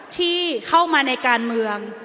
ที่เข้ามาในการเมือง